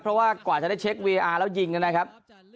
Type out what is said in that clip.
กว่ากว่าจะได้เช็กวีเออร์แล้วยิงนะครับ